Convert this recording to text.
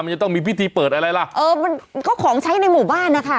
มันจะต้องมีพิธีเปิดอะไรล่ะเออมันก็ของใช้ในหมู่บ้านนะคะ